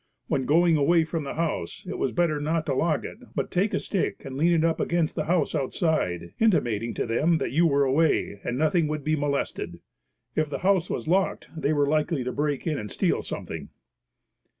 When going away from the house it was better not to lock it, but take a stick and lean it up against the house outside, intimating to them that you were away; and nothing would be molested. If the house was locked they were likely to break in and steal something.